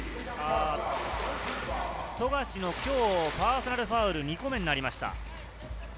富樫の今日、パーソナルファウル２個目になりました。